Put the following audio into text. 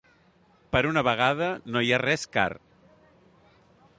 Per una vegada no hi ha res car.